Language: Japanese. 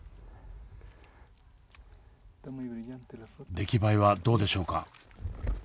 出来栄えはどうでしょうか？